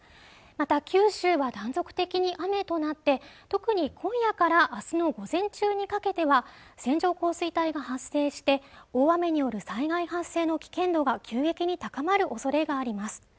また九州は断続的に雨となって特に今夜からあすの午前中にかけては線状降水帯が発生して大雨による災害発生の危険度が急激に高まるおそれがあります